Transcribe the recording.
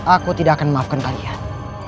aku tidak akan memaafkan kalian